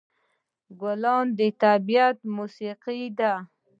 ګلان د طبیعت موسيقي ده.